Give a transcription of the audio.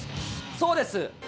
そうです。